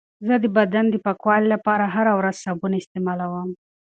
زه د بدن د پاکوالي لپاره هره ورځ صابون استعمالوم.